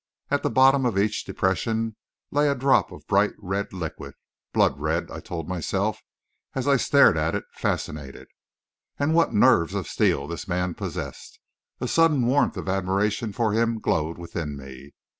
At the bottom of each depression lay a drop of bright red liquid blood red, I told myself, as I stared at it, fascinated. And what nerves of steel this man possessed! A sudden warmth of admiration for him glowed within me.